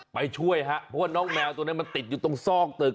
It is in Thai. ไปช่วยฮะเพราะว่าน้องแมวตัวนั้นมันติดอยู่ตรงซอกตึก